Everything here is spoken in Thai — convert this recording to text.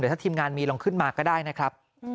ถ้าทีมงานมีลองขึ้นมาก็ได้นะครับ